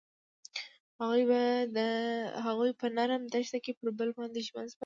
هغوی په نرم دښته کې پر بل باندې ژمن شول.